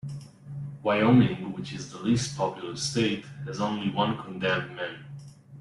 Wyoming, which is the least populous state, has only one condemned man.